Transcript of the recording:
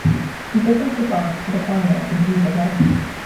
He did not advance to the final in either race.